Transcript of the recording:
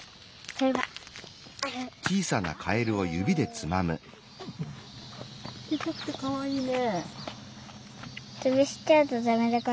ちっちゃくてかわいいね。